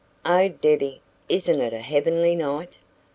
"Oh, Debbie, isn't it a heavenly night?